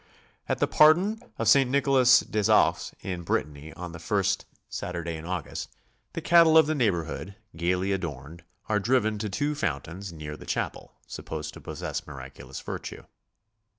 At the Pardon of St. Nicolas des Eaux in Brittany on the first Saturday in August the cattle of the neighbor hood, gaily adorned, are driven to two fountains near the chapel, supposed to possess miraculous virtue.